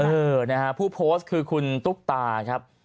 เออนะฮะผู้โพสต์คือคุณตุ๊กตาครับ